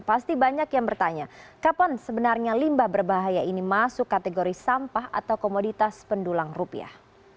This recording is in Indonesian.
pasti banyak yang bertanya kapan sebenarnya limbah berbahaya ini masuk kategori sampah atau komoditas pendulang rupiah